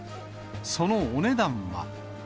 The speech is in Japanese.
そのお値段は。